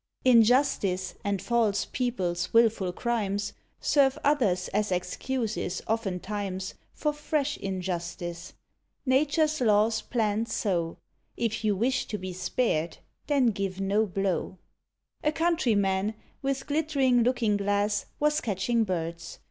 Injustice, and false people's wilful crimes, Serve others as excuses, oftentimes, For fresh injustice. Nature's law's planned so; If you wish to be spared, then give no blow. A Countryman, with glittering looking glass, Was catching birds.